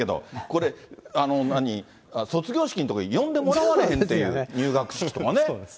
これ、何、卒業式のとき、呼んでもらわへんっていう、入学式とかね。